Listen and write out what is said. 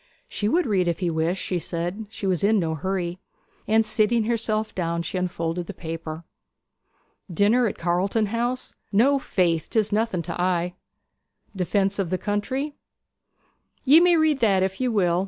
She would read if he wished, she said; she was in no hurry. And sitting herself down she unfolded the paper. '"Dinner at Carlton House"?' 'No, faith. 'Tis nothing to I.' '"Defence of the country"?' 'Ye may read that if ye will.